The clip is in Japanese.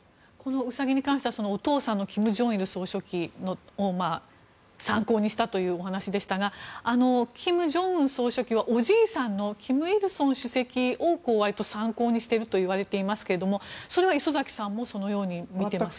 ウサギに関してはお父さんの金正日総書記を参考にしたというお話ですが金正恩総書記はおじいさんの金日成主席を割と参考にしているといわれていますがそれは礒崎さんもそのように見ていますか。